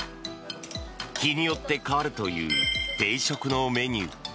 日によって変わるという定食のメニュー。